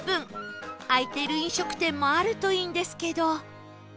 開いてる飲食店もあるといいんですけど